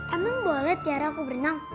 emang boleh tiara aku berenang